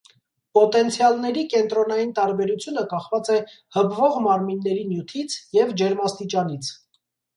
Պոտենցիալների կենտրոնային տարբերությունը կախված է հպվող մարմինների նյութից և ջերմաստիճանից։